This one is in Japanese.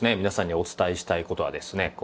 皆さんにお伝えしたい事はですね